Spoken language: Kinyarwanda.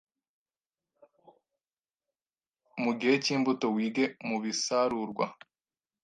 Mugihe cyimbuto wige mubisarurwa